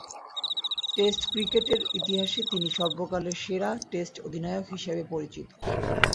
Test ক্রিকেটের ইতিহাসে তিনি সর্বকালের সেরা টেস্ট অধিনায়ক হিসেবে পরিচিত।